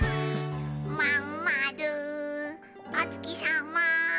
「まんまるおつきさま」